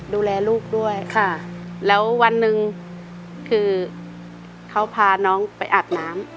ดูแลลูกด้วยค่ะแล้ววันหนึ่งคือเขาพาน้องไปอาบน้ำ